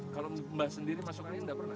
kalau mbah sendiri masuk angin gak pernah